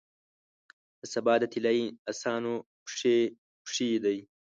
د سبا د طلایې اسانو پښې دی،